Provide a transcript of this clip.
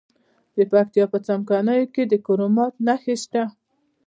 د پکتیا په څمکنیو کې د کرومایټ نښې شته.